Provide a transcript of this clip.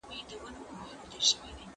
دولت نور سازمانونه کنټرول نه کړل.